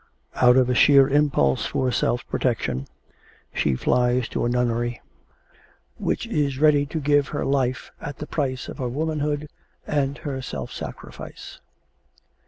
Out of a sheer impulse for self protection she flies to the nunnery, which is ready to give her life at the price of her womanhood and her self sacrifice.